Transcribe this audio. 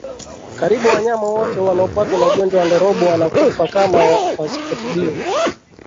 Karibu wanyama wote wanaopatwa na ugonjwa wa ndorobo wanakufa kama wasipotibiwa